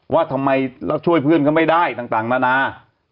ว่าทำไมเราช่วยเพื่อนก็ไม่ได้ต่างนา